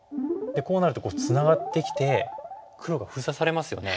こうなるとツナがってきて黒が封鎖されますよね。